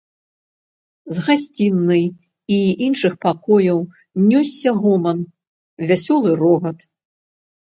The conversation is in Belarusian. З гасцінай і іншых пакояў нёсся гоман, вясёлы рогат.